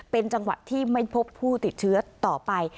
เป็นจังหวัดที่ไม่พบผู้ติดเชื้อต่อไป